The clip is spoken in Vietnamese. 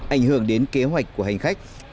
ảnh hưởng đến kế hoạch của hành khách